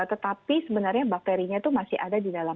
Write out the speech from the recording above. tetapi sebenarnya bakterinya itu masih ada di dalam